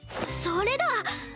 それだ！